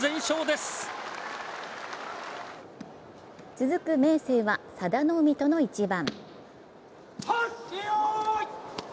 続く明生は佐田の海との一番。